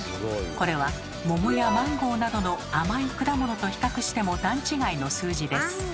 これは桃やマンゴーなどの甘い果物と比較しても段違いの数字です。